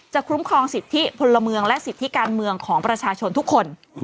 คุ้มครองสิทธิพลเมืองและสิทธิการเมืองของประชาชนทุกคน